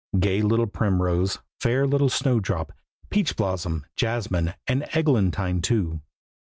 Gay little Primrose, fair little Snowdrop, Peachblossom, Jasmine and Eglantine too.